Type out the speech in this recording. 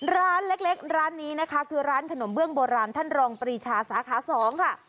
ร้านเล็กร้านนี้นะคะคือร้านขนมเบื้องโบราณท่านรองปรีชาสาขา๒ค่ะ